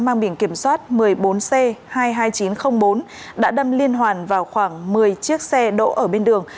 mang biển kiểm soát một mươi bốn c hai mươi hai nghìn chín trăm linh bốn đã đâm liên hoàn vào khoảng một mươi chiếc xe đỗ ở bên đường